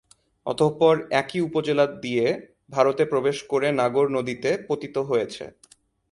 অতঃপর একই উপজেলা দিয়ে ভারতে প্রবেশ করে নাগর নদীতে পতিত হয়েছে।